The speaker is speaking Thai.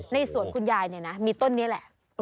ในสวนคุณยายเนี่ยนะมีต้นนี้แหละ